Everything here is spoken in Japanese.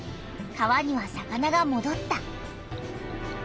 川には魚がもどった。